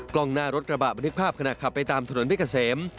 กล้องหน้ารถกระบะบันทึกภาพขณะขับไปตามถนนเพชรเกษม